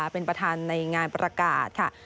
เป็นประธานในงานประกาศค่ะ